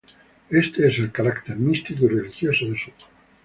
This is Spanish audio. Este es el carácter místico y religioso de su obra.